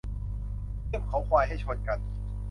เสี้ยมเขาควายให้ชนกัน